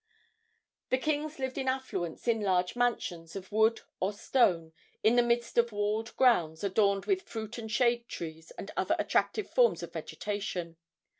The kings lived in affluence in large mansions of wood or stone, in the midst of walled grounds adorned with fruit and shade trees and other attractive forms of vegetation.